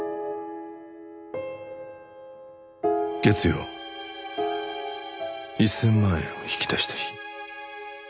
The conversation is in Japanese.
月曜１０００万円を引き出した日